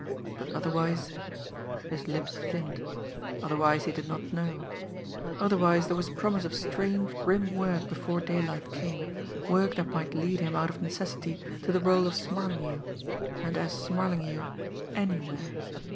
But otherwise his lips thinned otherwise, he did not know. Otherwise, there was promise of strange, grim work before daylight came, work that might lead him out of necessity to the role of Smarlinghue, and as Smarlinghue anywhere!